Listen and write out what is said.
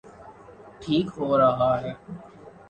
ٹھیک ہو رہا ہے۔